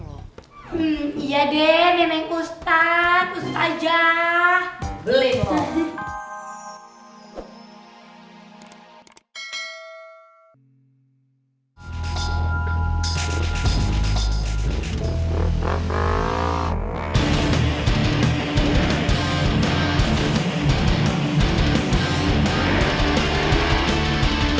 loh iya deh nenek ustadz aja beli